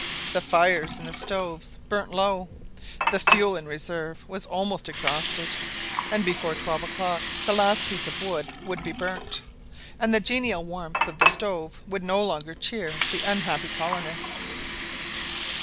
The fires in the stoves burnt low; the fuel in reserve was almost exhausted; and before twelve o'clock, the last piece of wood would be burnt, and the genial warmth of the stove would no longer cheer the unhappy colonists.